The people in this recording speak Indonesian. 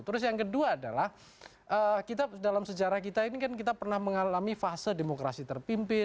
terus yang kedua adalah kita dalam sejarah kita ini kan kita pernah mengalami fase demokrasi terpimpin